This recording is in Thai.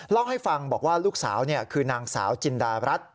เล่าให้ฟังบอกว่าลูกสาวคือนางสาวจินดารัฐ